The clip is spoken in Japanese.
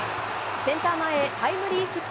センター前へタイムリーヒット。